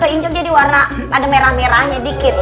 injuk jadi warna ada merah merahnya dikit